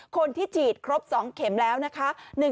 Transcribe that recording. คนที่ฉีดครบ๒เข็มแล้วนะคะ